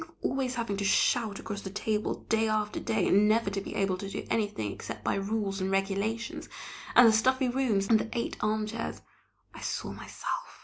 Think of always having to shout across the table, day after day, and never to be able to do anything except by rules and regulations; and the stuffy rooms and the eight armchairs! I saw myself!